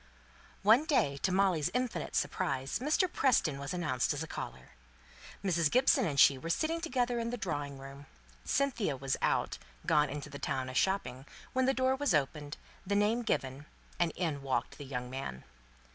One day, to Molly's infinite surprise, Mr. Preston was announced as a caller. Mrs. Gibson and she were sitting together in the drawing room; Cynthia was out gone into the town a shopping when the door was opened, the name given, and in walked the young man.